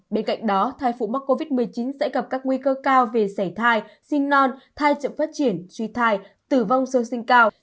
bên cạnh đó thai phụ mắc covid một mươi chín sẽ gặp các nguy cơ cao về xảy thai sinh non thai chậm phát triển suy thai tử vong sơ sinh cao